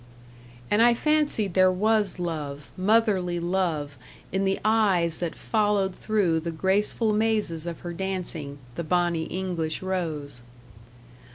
And I fancied there was love motherly love in the eyes that followed through the graceful mazes of her dancing, the bonny English rose.